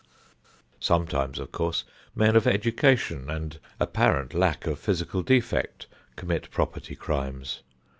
Sometimes, of course, men of education and apparent lack of physical defect commit property crimes.